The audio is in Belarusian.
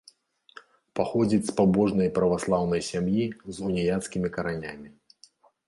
Паходзіць з пабожнай праваслаўнай сям'і з уніяцкімі каранямі.